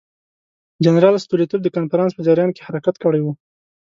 جنرال ستولیتوف د کنفرانس په جریان کې حرکت کړی وو.